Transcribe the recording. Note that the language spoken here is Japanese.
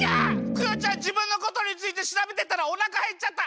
クヨちゃんじぶんのことについてしらべてたらおなかへっちゃった！